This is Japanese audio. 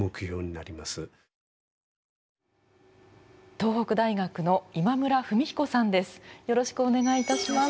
東北大学の今村文彦さんです。